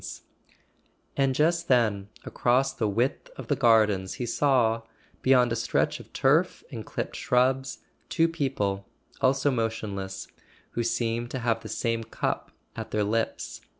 [ 372 ] A SON AT THE FRONT And just then, across the width of the gardens he saw, beyond a stretch of turf and clipped shrubs, two people, also motionless, who seemed to have the same cup at their lips.